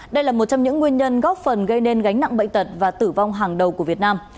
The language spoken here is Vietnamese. đây là một trong những nguyên nhân góp phần gây nên gánh nặng bệnh tật và tử vong hàng đầu của việt nam